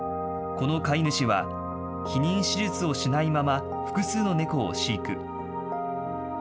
この飼い主は、避妊手術をしないまま複数の猫を飼育。